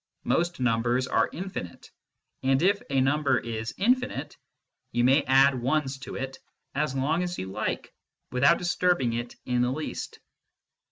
Most numbers are infinite, and if a number is infinite you may add ones to it as long as you like without disturbing it in the least.